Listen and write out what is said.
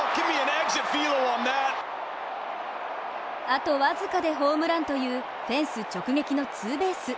あとわずかでホームランというフェンス直撃のツーベース。